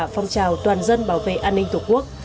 phong trào toàn dân bảo vệ an ninh tổ quốc